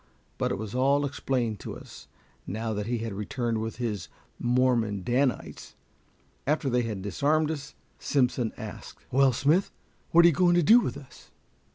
But it was all explained to us, now that he had returned with his Mormon Danites. After they had disarmed us, Simpson asked, "Well, Smith, what are you going to do with us?"